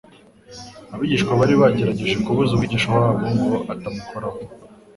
Abigishwa bari bagerageje kubuza Umwigisha wabo ngo atamukoraho;